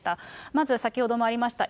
まず先ほどもありました